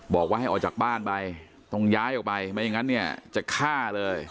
บอกว่าให้ออกจากบ้านไปต้องย้ายออกไปไม่อย่างนั้นเนี่ยจะฆ่าเลย